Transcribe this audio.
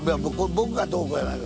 僕がどうこうやない。